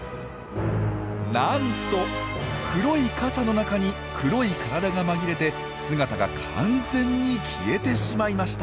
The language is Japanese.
なんと黒い傘の中に黒い体が紛れて姿が完全に消えてしまいました！